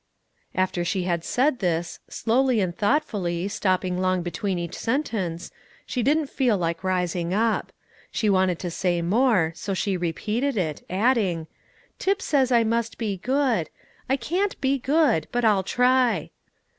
After she had said this, slowly and thoughtfully, stopping long between each sentence, she didn't feel like rising up; she wanted to say more, so she repeated it, adding, "Tip says I must be good. I can't be good, but I'll try."